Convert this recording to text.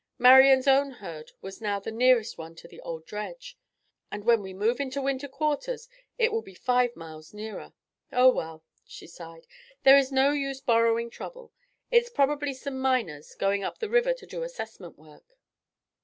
Marian's own herd was now the nearest one to the old dredge. "And when we move into winter quarters it will be five miles nearer. Oh, well!" she sighed, "there's no use borrowing trouble. It's probably some miners going up the river to do assessment work."